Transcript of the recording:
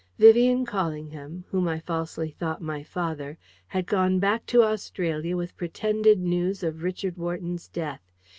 Vivian Callingham, whom I falsely thought my father, had gone back to Australia with pretended news of Richard Wharton's death.